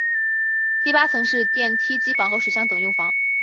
第八层是电梯机房和水箱等用房。